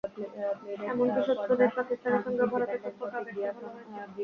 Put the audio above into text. এমনকি শত্রু দেশ পাকিস্তানের সঙ্গেও ভারতের সম্পর্ক আগের চেয়ে ভালো হয়েছে।